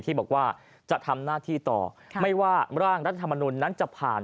ที่บอกว่าจะทำหน้าที่ต่อไม่ว่าร่างรัฐธรรมนุนนั้นจะผ่าน